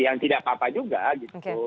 yang tidak apa apa juga gitu